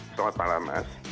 selamat malam mas